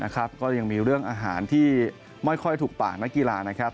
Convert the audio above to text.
ก็ยังมีเรื่องอาหารที่ไม่ค่อยถูกปากนักกีฬานะครับ